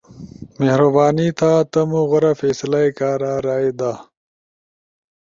مہربانی تھا تمو غورا فیصلہ ئی کارا رائے دا۔ ت